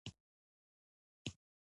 ایا ستاسو سوغات به خوښ شي؟